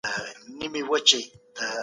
خپل وخت به په ګټورو کارونو کي تیروئ.